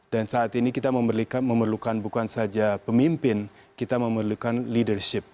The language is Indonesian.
dan saat ini kita memerlukan bukan saja pemimpin kita memerlukan leadership